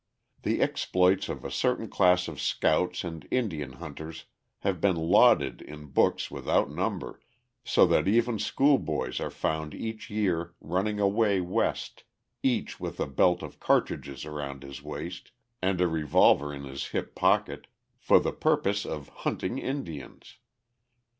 The exploits of a certain class of scouts and Indian hunters have been lauded in books without number, so that even schoolboys are found each year running away west, each with a belt of cartridges around his waist and a revolver in his hip pocket, for the purpose of hunting Indians.